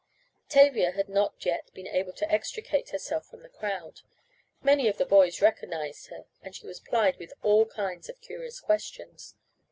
Tavia had not yet been able to extricate herself from the crowd. Many of the boys recognized her, and she was plied with all kinds of curious questions.